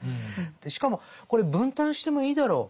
しかもこれ分担してもいいだろう。